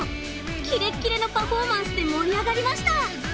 キレッキレのパフォーマンスでもりあがりました！